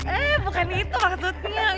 eh bukan itu maksudnya